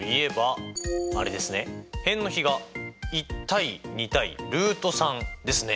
辺の比が１：２：ルート３ですね！